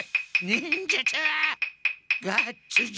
忍術はガッツじゃ。